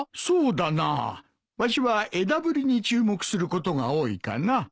そうだなわしは枝ぶりに注目することが多いかな。